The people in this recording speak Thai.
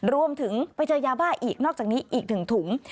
รวมถึงไปเจอยาบ้าอีกนอกจากนี้อีก๑ถุง